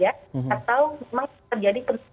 jadinya kita harus memastikan dulu apakah kita panik saja